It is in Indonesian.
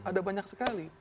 ada banyak sekali